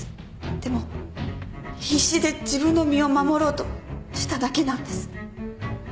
でも必死で自分の身を守ろうとしただけなんです。